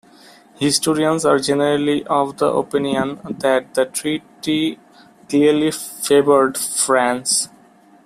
Historians are generally of the opinion that the treaty clearly favoured France.